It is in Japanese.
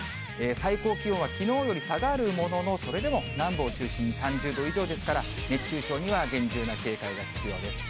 最高気温はきのうより下がるものの、それでも南部を中心に３０度以上ですから、熱中症には厳重な警戒が必要です。